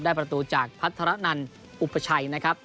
ประตูจากพัฒนันอุปชัยนะครับ